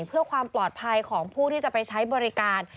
เพื่อความปลอดภัยของผู้ที่จะไปใช้บริการ